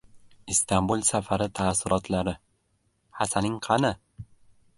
Istanbul safari taassurotlari: “Hasaning qani?!”